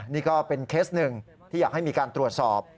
นี่ก็เป็นเคสหนึ่งที่อยากให้มีการตรวจสอบ